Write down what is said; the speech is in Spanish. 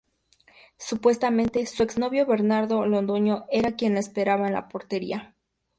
Supuestamente, su ex novio Bernardo Londoño era quien la esperaba en la portería.